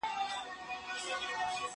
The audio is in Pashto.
انځورونه د زهشوم له خوا رسم کيږي،